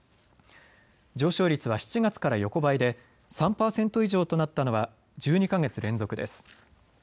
上昇率は７月から横ばいで３％以上となったのは１２か月連続です。